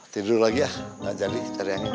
tidur lagi ya nggak jadi cari angin